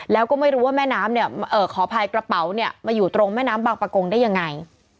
แล้วก็ไม่รู้ว่าแม่น้ำเนี่ยขออภัยกระเป๋าเนี่ยมาอยู่ตรงแม่น้ำบางประกงได้ยังไง